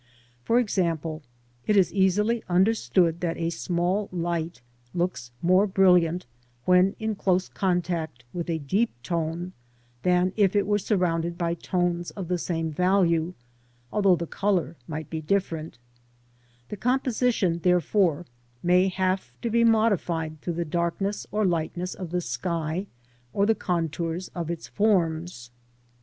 For example, it is easily understood that a small light looks more brilliant when in close contact with a deep tone than if it were surrounded by tones of the same value, although the colour might be different ; the composition, therefore, may have to be modified through the darkness or lightness of the sky, or the contours of its forms.